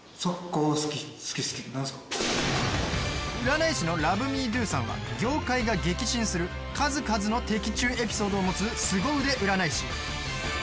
占い師のＬｏｖｅＭｅＤｏさんは業界が激震する数々の的中エピソードを持つ凄腕占い師。